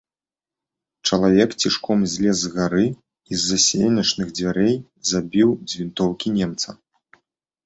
Чалавек цішком злез з гары і з-за сенечных дзвярэй забіў з вінтоўкі немца.